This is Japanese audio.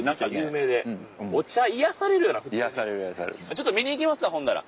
ちょっと見に行きますかほんなら。